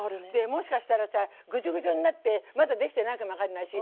もしかしたらさグチュグチュになってまだできてないかも分かんないし。